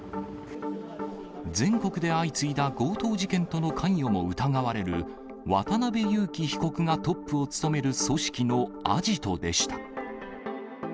全国で相次いだ強盗事件との関与も疑われる、渡辺優樹被告がトップを務める組織のアジトでした。